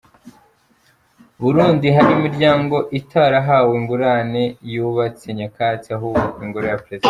Burundi: Hari imiryango itarahawe ingurane yubatse nyakatsi ahubakwa ingoro ya perezida.